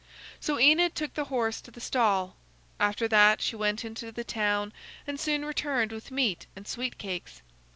So Enid took the horse to the stall. After that, she went into the town and soon returned with meat and sweet cakes.